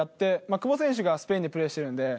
久保選手がスペインでプレーしてるんで。